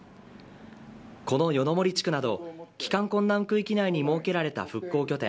この夜の森地区など帰還困難区域内に設けられた復興拠点